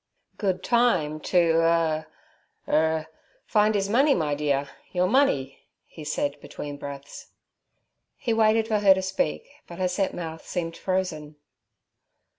'Good time to—er—'r find his money, my dear—your money' he said, between breaths. He waited for her to speak, but her set mouth seemed frozen.